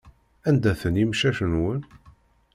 Anda-ten yimcac-nwen?